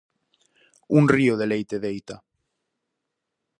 Un río de leite deita.